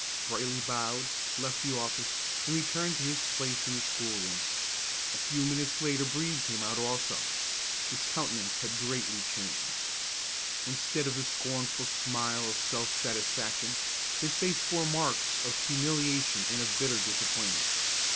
Brightly bowed, left the office, and returned to his place in the schoolroom. A few minutes later Brede came out also. His countenance had greatly changed. Instead of the scornful smile of self satisfaction, his face bore marks of humiliation and of bitter disappointment.